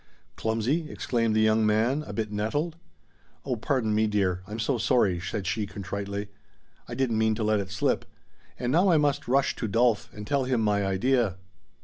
"'Clumsy'?" exclaimed the young man, a bit nettled. "Oh, pardon me, dear. I'm so sorry," said she contritely. "I didn't mean to let it slip. And now I must rush to Dolf and tell him my idea."